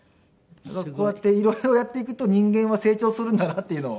こうやって色々やっていくと人間は成長するんだなっていうのを。